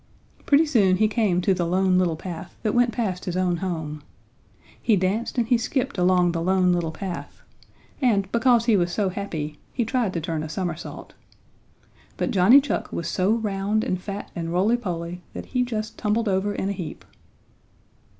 Pretty soon he came to the Lone Little Path that went past his own home. He danced and he skipped along the Lone Little Path, and, because he was so happy, he tried to turn a somersault. But Johnny Chuck was so round and fat and rolly poly that he just tumbled over in a heap.